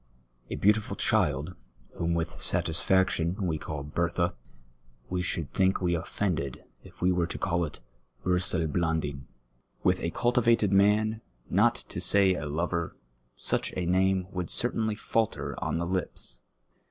A beautiful child, whom with satisfaction we call " Bertha,'" we should think we offended if we were to call it " Urselblandine." With a cultivated man, not to say a lover, such a name would certainly falter on the lips.